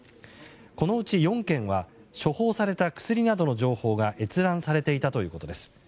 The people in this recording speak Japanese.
このうち４件は処方された薬などの情報が閲覧されていたということです。